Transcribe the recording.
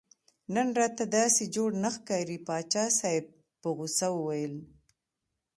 نن راته داسې جوړ نه ښکارې پاچا صاحب په غوسه وویل.